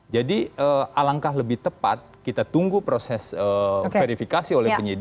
jadi alangkah lebih tepat kita tunggu proses verifikasi oleh pak sarul